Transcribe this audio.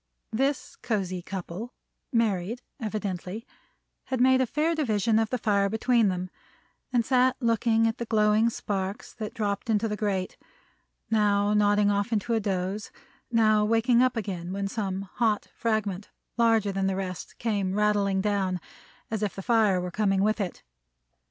This cosy couple (married, evidently) had made a fair division of the fire between them, and sat looking at the glowing sparks that dropped into the grate; now nodding off into a doze; now waking up again when some hot fragment, larger than the rest, came rattling down, as if the fire were coming with it.